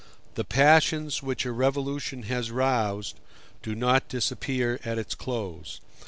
The passions which a revolution has roused do not disappear at its close.